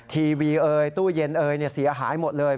ทีวีเอยตู้เย็นเอ่ยเสียหายหมดเลย